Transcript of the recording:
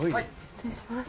失礼します。